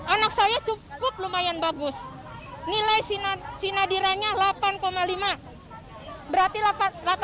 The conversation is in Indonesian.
anak saya cukup lumayan bagus nilai sinadirannya delapan lima berarti rata rata delapan anak saya